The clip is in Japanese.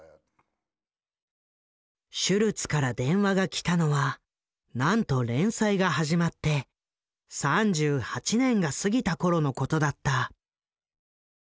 シュルツから電話が来たのはなんと連載が始まって３８年が過ぎた頃のことだった。